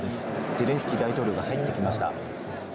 ゼレンスキー大統領が入ってきました。